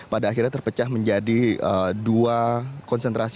pada akhirnya terpecah menjadi dua konsentrasi